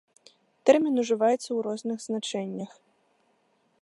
Тэрмін ужываецца ў розных значэннях.